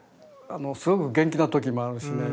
すごく元気な時もあるしね